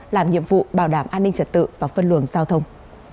làm nhiệm vụ bảo đảm an ninh trật tự và phân luồng giao thông